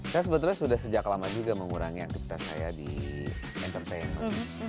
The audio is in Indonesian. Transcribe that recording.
saya sebetulnya sudah sejak lama juga mengurangi aktivitas saya di entertainment